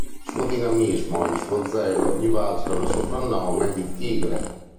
Il suo dinamismo e il suo zelo gli valsero il soprannome di “Tigre”.